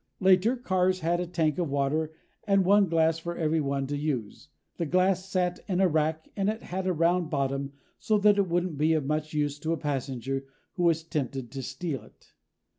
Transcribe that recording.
Later, cars had a tank of water and one glass for everyone to use. The glass sat in a rack, and it had a round bottom so that it wouldn't be of much use to a passenger who was tempted to steal it.